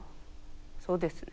そうですね。